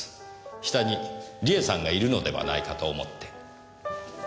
下に梨絵さんがいるのではないかと思って。